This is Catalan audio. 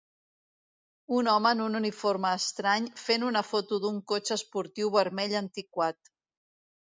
Un home en un uniforme estrany fent una foto d'un cotxe esportiu vermell antiquat.